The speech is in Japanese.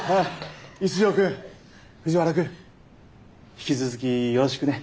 一条くん藤原くん引き続きよろしくね。